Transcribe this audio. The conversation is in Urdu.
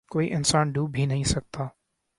کوئی انسان ڈوب بھی نہیں سکتا